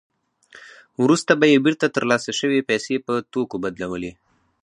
وروسته به یې بېرته ترلاسه شوې پیسې په توکو بدلولې